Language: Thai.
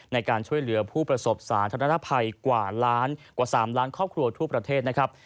ในการช่วยเหลือผู้ประสบสาธารณภัยกว่าล้านกว่า๓ล้านครอบครัวทั่วประเทศนะครับ